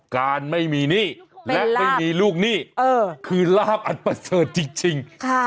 การไม่มีหนี้และไม่มีลูกหนี้คือลาบอันประเสริฐจริง